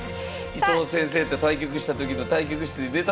伊藤先生と対局した時の対局室で寝たところ！